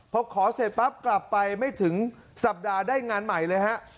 พอขอเสร็จปั๊บกลับไปไม่ถึงสัปดาห์ได้งานใหม่เลยฮะ